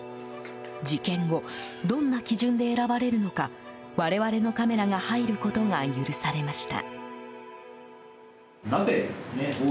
事件後どんな基準で選ばれるのか我々のカメラが入ることが許されました。